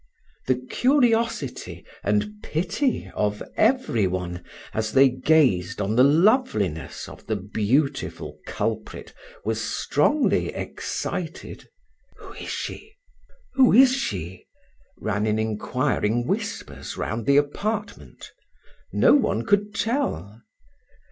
The curiosity and pity of every one, as they gazed on the loveliness of the beautiful culprit, was strongly excited. "Who is she? who is she?" ran in inquiring whispers round the apartment. No one could tell.